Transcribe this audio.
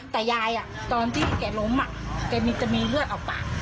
แต่ยายตอนที่แกล้มแกจะมีเลือดออกปาก